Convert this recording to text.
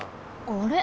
あれ？